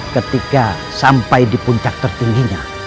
ketika sampai di puncak tertingginya